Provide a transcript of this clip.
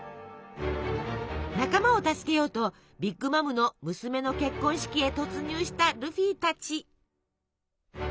仲間を助けようとビッグ・マムの娘の結婚式へ突入したルフィたち。